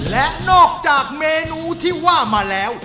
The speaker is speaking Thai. และนอกจากเมนูที่ว่ามาแล้ว